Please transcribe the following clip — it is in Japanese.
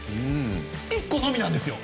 １個のみなんですよ。